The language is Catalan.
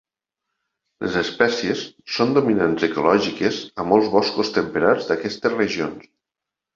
Les espècies són dominants ecològiques a molts boscos temperats d'aquestes regions.